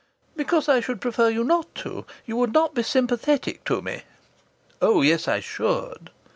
"Because I should prefer you not to. You would not be sympathetic to me." "Oh, yes, I should."